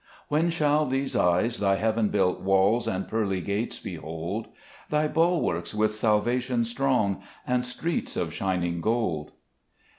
2 When shall these eyes thy heaven built walls And pearly gates behold ? Thy bulwarks with salvation strong, And streets of shining; gold